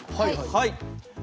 はい。